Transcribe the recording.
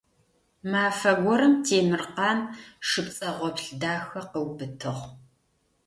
Мафэ горэм Темиркъан шы пцӀэгъоплъ дахэ къыубытыгъ.